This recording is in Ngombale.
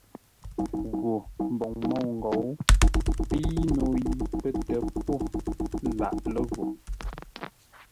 Gho mboŋ môu-ngou pei no yi pətə́ po laʼ lə́ gho.